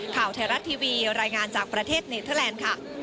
ข่าวไทยรัฐทีวีรายงานจากประเทศเนเทอร์แลนด์ค่ะ